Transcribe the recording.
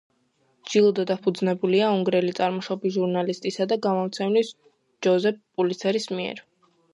ჯილდო დაფუძნებულია უნგრელი წარმოშობის ჟურნალისტისა და გამომცემლის ჯოზეფ პულიცერის მიერ.